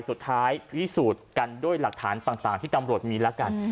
สุดท้ายพิสูจน์กันด้วยหลักฐานต่างที่ตำรวจมีแล้วกัน